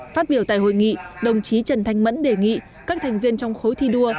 phát biểu tại hội nghị đồng chí trần thanh mẫn đề nghị các thành viên trong khối thi đua